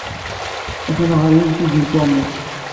Attan ɣer yimsujji n tuɣmas.